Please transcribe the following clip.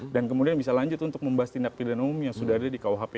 dan kemudian bisa lanjut untuk membahas tindak pidana umum yang sudah ada di rkuhp